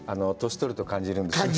年取ると感じるんですね。